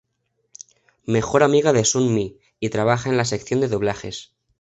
Mejor amiga de Sun Mi y trabaja en la sección de doblajes.